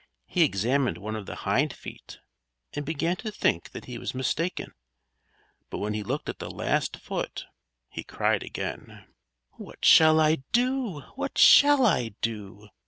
He examined one of the hindfeet, and began to think that he was mistaken; but when he looked at the last foot, he cried again: "_What shall I do? What shall I do?